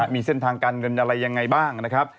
มีเส้นทางการเงินอะไรยังไงบ้างนะครับ